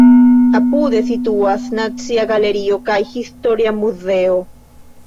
Apude situas Nacia Galerio kaj Historia Muzeo.